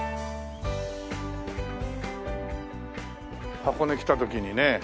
箱根来た時にね